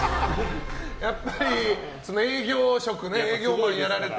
やっぱり営業職、営業マンをやられて。